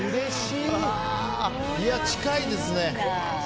いや、近いですね。